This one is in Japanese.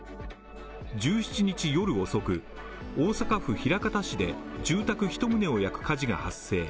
１７日夜遅く、大阪府枚方市で住宅１棟を焼く火事が発生。